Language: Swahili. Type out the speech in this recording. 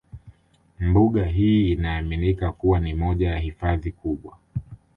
Mbuga hii inaaminika kuwa ni moja ya hifadhi kubwa